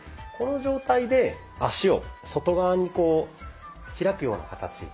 この状態で足を外側にこう開くような形。